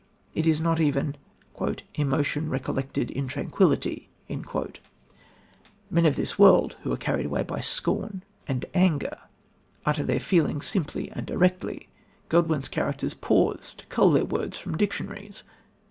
It is not even "emotion recollected in tranquillity." Men of this world, who are carried away by scorn and anger, utter their feelings simply and directly. Godwin's characters pause to cull their words from dictionaries.